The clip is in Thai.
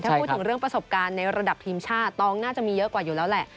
ถ้าพูดถึงเรื่องประสบการณ์ในระดับทีมชาติตองน่าจะมีเยอะกว่าอยู่แล้วแหละ